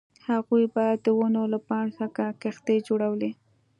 هغوی به د ونو له پاڼو څخه کښتۍ جوړولې